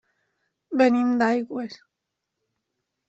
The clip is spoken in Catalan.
Venim d'Aigües.